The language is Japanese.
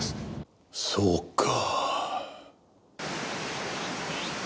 そうか。